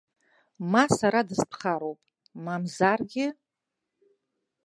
Ма сара дыстәхароуп, мамзаргьы.